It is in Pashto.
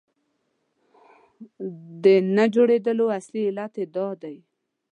د نه جوړېدلو اصلي علت دا دی.